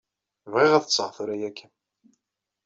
Bɣiɣ ad ṭṭseɣ tura ya kan.